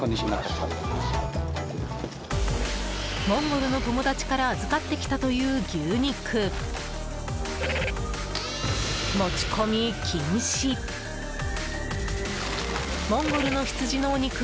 モンゴルの友達から預かってきたという牛肉。